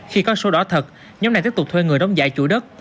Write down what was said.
khi có sổ đỏ thật nhóm này tiếp tục thuê người đóng giải chủ đất